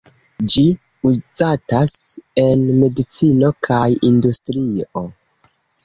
Ĝi uzatas en medicino kaj industrio.